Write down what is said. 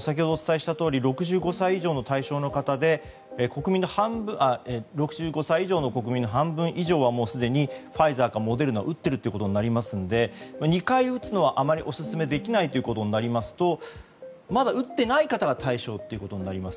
先ほどお伝えしたところ６５歳以上の国民の半分以上はもうすでにファイザーかモデルナを打っていることになりますので２回打つのは、あまりオススメできないとなりますとまだ打っていない方が対象ということになりますね。